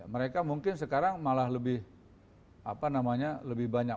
mereka mungkin sekarang malah lebih apa namanya lebih banyak